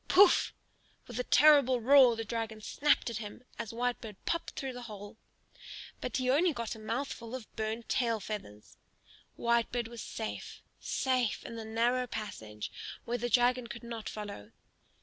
Pouf! With a terrible roar the dragon snapped at him as Whitebird popped through the hole; but he got only a mouthful of burnt tail feathers. Whitebird was safe, safe in the narrow passage where the dragon could not follow.